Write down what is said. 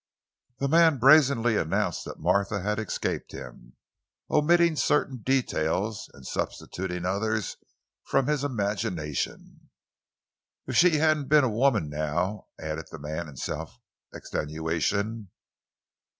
The man brazenly announced that Martha had escaped him, omitting certain details and substituting others from his imagination. "If she hadn't been a woman, now," added the man in self extenuation.